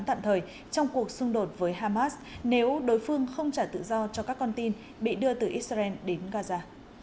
tạm thời trong cuộc xung đột với hamas nếu đối phương không trả tự do cho các con tin bị đưa từ israel đến gaza